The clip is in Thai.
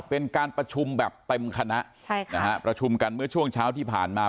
เป็นการประชุมแบบเต็มคณะใช่ค่ะนะฮะประชุมกันเมื่อช่วงเช้าที่ผ่านมา